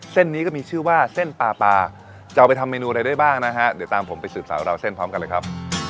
เส้นนี้ก็มีชื่อว่าเส้นปลาปลาจะเอาไปทำเมนูอะไรได้บ้างนะฮะเดี๋ยวตามผมไปสืบสาวราวเส้นพร้อมกันเลยครับ